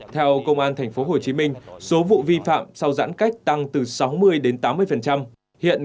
theo công an tp hcm số vụ vi phạm sau giãn cách tăng từ sáu mươi đến tám mươi hiện